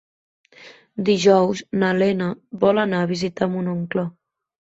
Dijous na Lena vol anar a visitar mon oncle.